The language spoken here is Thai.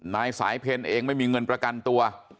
นายสายเพลเองไม่มีเงินประกันตัว